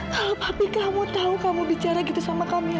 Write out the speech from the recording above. kalau papi kamu tahu kamu bicara gitu sama kamilah